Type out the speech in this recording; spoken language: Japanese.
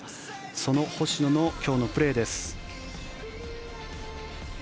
その星野の今日のプレーです。